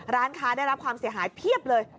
ร้านค้าได้รับความเสียหายเพียบเลย